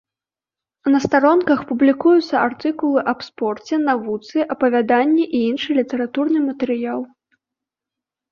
На старонках публікуюцца артыкулы аб спорце, навуцы, апавяданні і іншы літаратурны матэрыял.